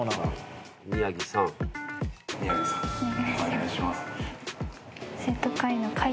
お願いします。